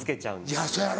いやそうやろ。